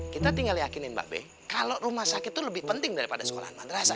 kita tinggal yakinin babe kalo rumah sakit itu lebih penting daripada sekolahan madrasa